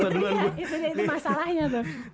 itu dia itu masalahnya tuh